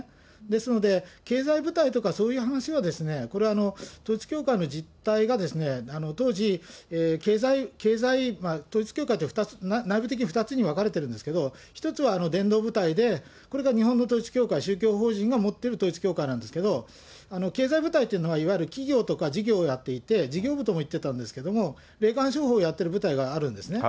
ですので、経済部隊とかそういう話はこれは統一教会の実態がですね、当時、統一教会って、内部的に２つに分かれてるんですけど、１つは伝道部隊で、これが日本の統一教会、宗教法人が持っている統一教会なんですけど、経済部隊というのは、いわゆる企業とか事業をやっていて、事業部ともいってたんですけれども、霊感商法をやってる部隊があるんですね。